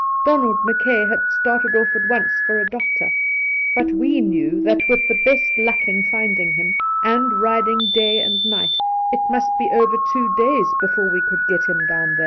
Donald Mackay had started off" at once for a doctor ; but we knew that, with the best luck in finding^him, and riding day and night, it must be over two days before we could get him down there.